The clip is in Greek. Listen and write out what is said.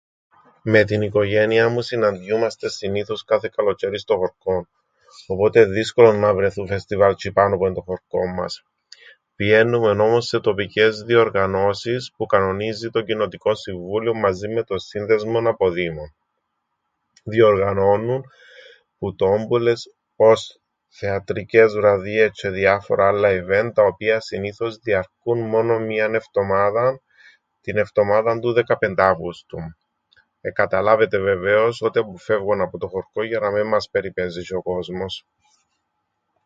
Με την οικογένειαν μου συναντιούμαστεν συνήθως κάθε καλοτζ̆αίριν στο χωρκόν. Οπότε εν' δύσκολον να βρεθούν φεστιβάλ τζ̆ειπάνω που εν' το χωρκόν μας. Πηαίννουμεν όμως σε τοπικές διοργανώσεις που κανονίζει το κοινοτικόν συμβούλιον μαζίν με τον σύνδεσμο αποδήμων. Διοργανώννουν που τόμπουλες ώς θεατρικές βραδιές τζ̆αι διάφορα άλλα event τα οποία συνήθως διαρκούν μόνον μιαν εφτομάδαν, την εφτομάδαν του Δεκαπενταύγουστου. Εκαταλάβετε βεβαίως ότι αποφεύγω να πω το χωρκόν για να μεν μας περιπαίζει τζ̆αι ο κόσμος....